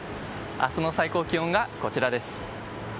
明日の最高気温がこちらです。